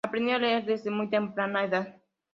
Aprendió a leer desde muy temprana edad.